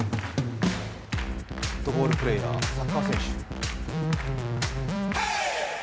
フットボールプレーヤー、サッカー選手。